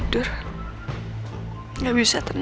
saya akan cerita soal ini